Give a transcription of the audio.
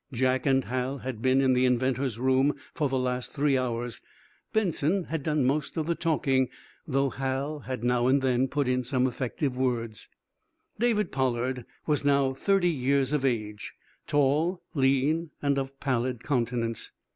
Jack and Hal had been in the inventor's room for the last three hours. Benson had done most of the talking, though Hal had now and then put in some effective words. David Pollard was now thirty years of age, tall, lean and of pallid countenance.